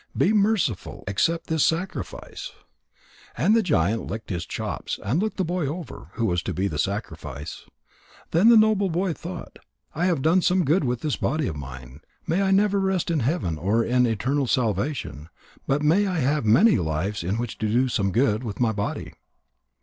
Be merciful. Accept this sacrifice." And the giant licked his chops, and looked the boy over, who was to be the sacrifice. Then the noble boy thought: "I have done some good with this body of mine. May I never rest in heaven or in eternal salvation, but may I have many lives in which to do some good with my body."